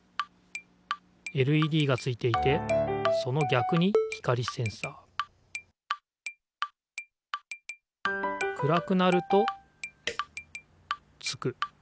ＬＥＤがついていてそのぎゃくに光センサー暗くなると点く。